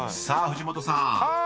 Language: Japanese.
［さあ藤本さん］